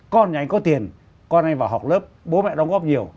con nhà anh có tiền con anh vào học lớp bố mẹ đóng góp nhiều